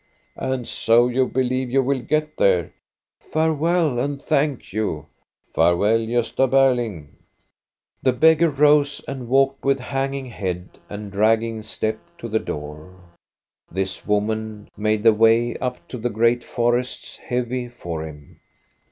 " And so you believe you will get there?" " Farewell, and thank you !"" Farewell, Grosta Berling." The beggar rose and walked with hanging head and dragging step to the door. This woman made the way up to the great forests heavy for him.